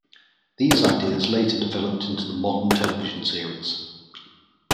These ideas later developed into the modern television series.